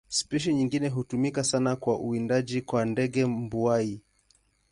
Spishi nyingine hutumika sana kwa uwindaji kwa ndege mbuai.